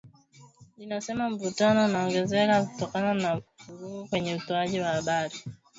linasema mvutano unaongezeka kutokana na vurugu kwenye utoaji wa habari